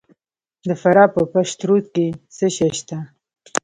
د فراه په پشترود کې څه شی شته؟